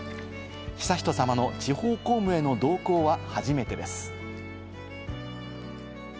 悠仁さまの地方公務への同行は初めてです。